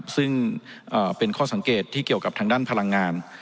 ซึ่งเป็นข้อสังเกตที่เกี่ยวกับทางด้านพลังงาน